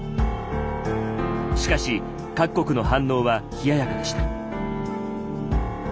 しかし各国の反応は冷ややかでした。